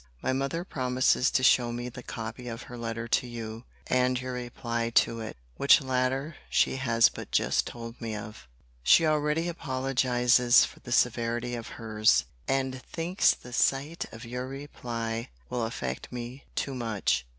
My mother promises to show me the copy of her letter to you, and your reply to it; which latter she has but just told me of. She already apologizes for the severity of her's: and thinks the sight of your reply will affect me too much.